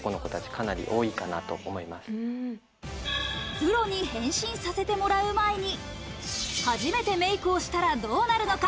プロに変身させてもらう前に、初めてメイクをしたらどうなるのか。